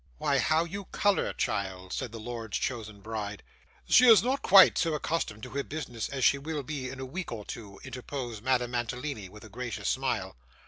'Why, how you colour, child!' said the lord's chosen bride. 'She is not quite so accustomed to her business, as she will be in a week or two,' interposed Madame Mantalini with a gracious smile.